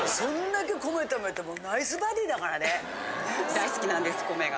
大好きなんです米が。